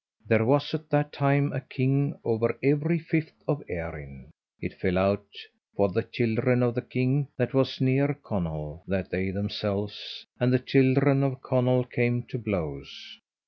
There was at that time a king over every fifth of Erin. It fell out for the children of the king that was near Conall, that they themselves and the children of Conall came to blows.